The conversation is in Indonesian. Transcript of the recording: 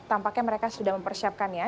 tampaknya mereka sudah mempersiapkannya